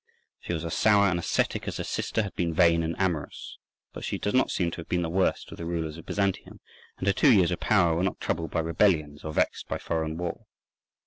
She was as sour and ascetic as her sister had been vain and amorous; but she does not seem to have been the worst of the rulers of Byzantium, and her two years of power were not troubled by rebellions or vexed by foreign war.